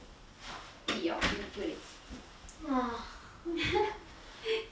いいよゆっくり。